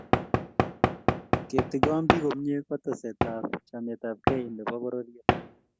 ketigon bik komye ko tesei chametabgei be bo pororiet